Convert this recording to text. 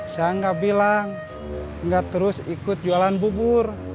saya gak bilang gak terus ikut jualan bubur